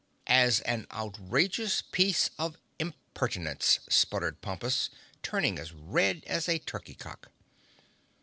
"As an outrageous piece of impertinence!" spluttered Pompus, turning as red as a turkey cock.